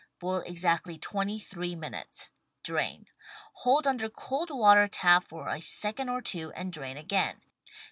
Boil exactly twenty three minutes. Drain. Hold under cold water tap for a second or two and drain again.